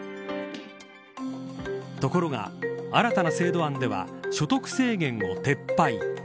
ところが、新たな制度案では所得制限を撤廃。